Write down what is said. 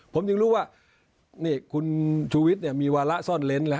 ผมยังรู้ว่านี่คุณชูวิทย์มีวาระซ่อนเล้นแล้ว